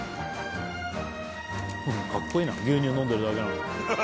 カッコいいな牛乳飲んでるだけなのに。